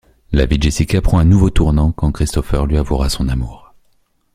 La vie de Jessica prend un nouveau tournant quand Christopher lui avouera son amour.